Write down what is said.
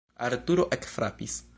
Arturo ekfrapis.